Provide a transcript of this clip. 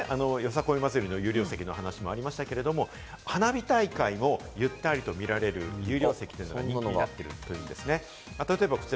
先ほど、よさこいの有料席の話もありましたけれども、花火大会もゆったりと見られる有料席というのが人気になっているということなんですね。